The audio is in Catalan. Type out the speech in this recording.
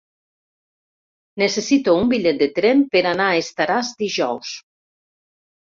Necessito un bitllet de tren per anar a Estaràs dijous.